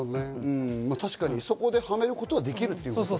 確かにそこではめることができるか。